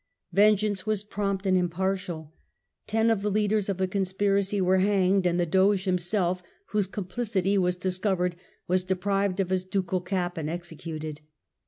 Vengeance was prompt and impartial. Ten of the leaders of the conspiracy were hanged, and the Doge himself, whose complicity was discovered, was deprived of his ducal cap and executed.